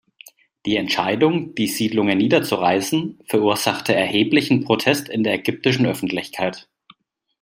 Die Entscheidung, die Siedlungen niederzureißen, verursachte erheblichen Protest in der ägyptischen Öffentlichkeit.